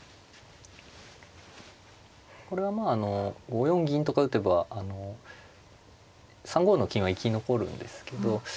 これはまあ５四銀とか打てば３五の金は生き残るんですけど。